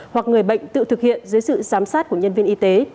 hoặc người bệnh tự thực hiện dưới sự giám sát của nhân viên y tế